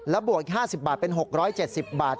แล้วบวกอีก๕๐บาทเป็น๖๗๐บาท